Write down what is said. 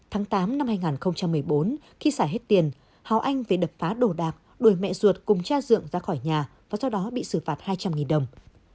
tháng tám năm hai nghìn một mươi bốn khi xả hết tiền hào anh về đập phá đồ đạc đuổi mẹ ruột cùng cha dượng ra khỏi nhà và sau đó bị xử phạt hai trăm linh đồng